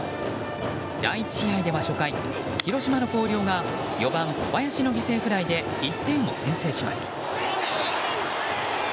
第１試合では初回広島の広陵が４番、小林の犠牲フライで１点を先制します。